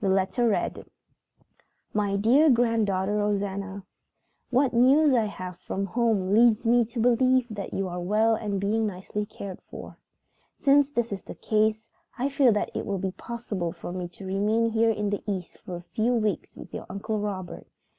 The letter read: "My dear Granddaughter Rosanna: "What news I have had from home leads me to believe that you are well and being nicely cared for. "Since this is the case, I feel that it will be possible for me to remain here in the East for a few weeks with your Uncle Robert.